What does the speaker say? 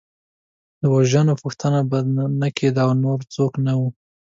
د وژنو پوښتنه به نه کېده او نور څوک نه وو.